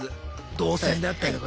動線であったりとか。